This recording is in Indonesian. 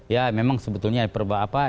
ya memang sebetulnya apa